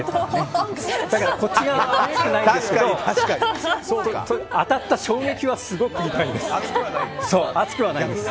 だからこっち側は熱くないですけど当たった衝撃はすごく痛いです。